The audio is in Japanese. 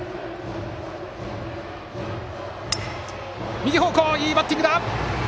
右方向へのいいバッティングだ！